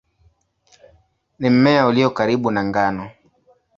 Ni mmea ulio karibu na ngano.